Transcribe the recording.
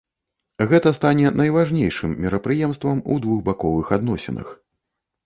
Гэта стане найважнейшым мерапрыемствам у двухбаковых адносінах.